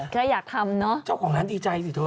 เคยอยากทำนะเจ้ากลอร์นันที่ใจสิเธอ